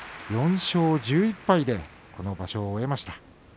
４勝１１敗でこの場所を終えました。